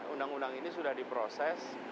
undang undang ini sudah diproses